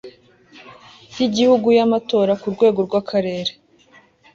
y igihugu y amatora ku rwego rw akarere